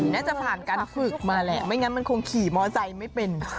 น่าจะผ่านการฝึกมาแหละไม่งั้นมันคงขี่มอไซค์ไม่เป็น